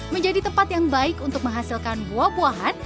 menjadi tempat yang baik untuk menghasilkan buah buahan